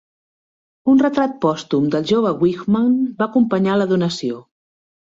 Un retrat pòstum del jove Wijkman va acompanyar la donació.